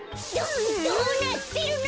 どどうなってるの！？